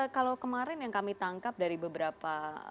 kalau kemarin yang kami tangkap dari beberapa